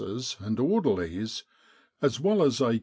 's and orderlies, as well as a Q.